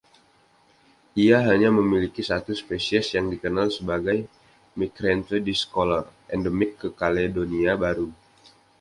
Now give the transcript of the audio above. Ia hanya memiliki satu spesies yang dikenal sebagai "Myricanthe discolor", endemik ke Kaledonia Baru.